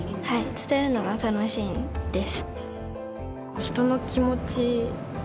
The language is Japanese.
伝えるのが楽しいんです。